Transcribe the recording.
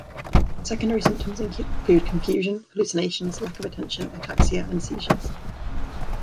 Secondary symptoms include confusion, hallucinations, lack of attention, ataxia, and seizures.